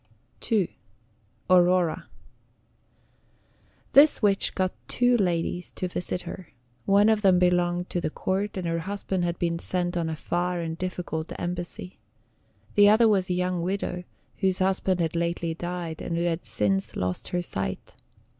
II. AURORA. This witch got two ladies to visit her. One of them belonged to the court, and her husband had been sent on a far and difficult embassy. The other was a young widow whose husband had lately died, and who had since lost her sight.